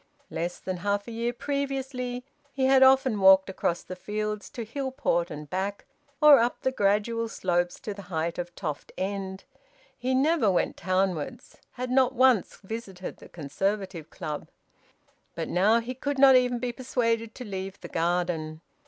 Less than half a year previously he had often walked across the fields to Hillport and back, or up the gradual slopes to the height of Toft End he never went townwards, had not once visited the Conservative Club. But now he could not even be persuaded to leave the garden.